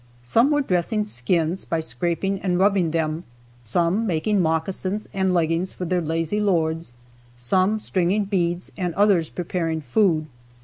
Some were dressing skins by scraping and rubbing them, some making moccasins and leggings for their lazy lords, some stringing beads and others preparing food.